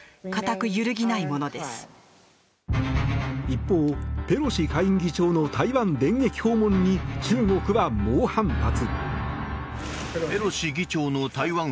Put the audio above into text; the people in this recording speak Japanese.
一方、ペロシ下院議長の台湾電撃訪問に、中国は猛反発。